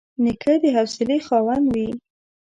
نیکه د حوصلې خاوند وي.